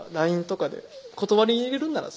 ＬＩＮＥとかで断り入れるんなら